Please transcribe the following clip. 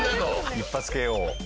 一発ＫＯ。